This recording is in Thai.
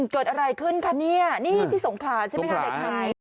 เกิดอะไรขึ้นคะเนี่ยนี่ที่สงขลาใช่ไหมคะเด็กไทย